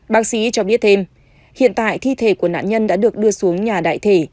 bác sĩ cho biết thêm hiện tại thi thể của nạn nhân đã được đưa xuống nhà đại thể